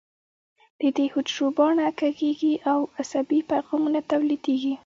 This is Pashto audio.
د دې حجرو باڼه کږېږي او عصبي پیغامونه تولیدېږي.